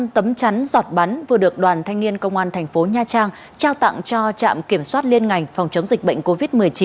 một mươi tấm chắn giọt bắn vừa được đoàn thanh niên công an thành phố nha trang trao tặng cho trạm kiểm soát liên ngành phòng chống dịch bệnh covid một mươi chín